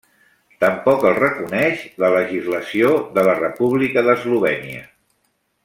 Tampoc el reconeix la legislació de la República d'Eslovènia.